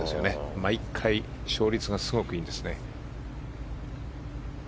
毎回、勝率がすごくいいんです。